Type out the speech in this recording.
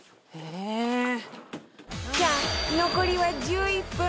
さあ残りは１１分